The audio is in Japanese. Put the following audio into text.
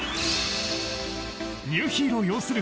ニューヒーロー擁する